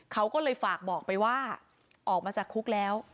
เขาก็เลยฝากบอกไปว่าออกมาจากคุกแล้ว